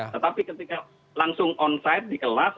tetapi ketika langsung onside di kelas